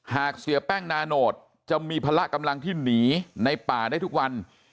เสียแป้งนาโนตจะมีพละกำลังที่หนีในป่าได้ทุกวัน